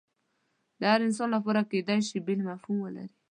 د هر انسان لپاره کیدای شي بیل مفهوم ولري